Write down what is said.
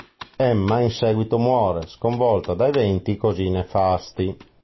Emma in seguito muore, sconvolta da eventi così nefasti.